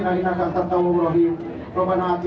terima kasih ya allah terima kasih